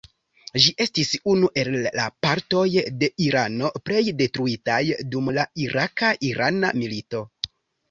Ĝi estis unu el la partoj de Irano plej detruitaj dum la iraka-irana milito.